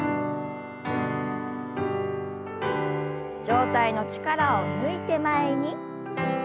上体の力を抜いて前に。